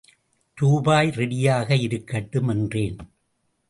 ரூபாய் ரெடியாக இருக்கட்டும் என்றேன்.